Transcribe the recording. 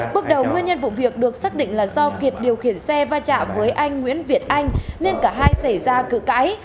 bước đầu nguyên nhân vụ việc được xác định là do kiệt điều khiển xe va chạm với anh nguyễn việt anh nên cả hai xảy ra cự cãi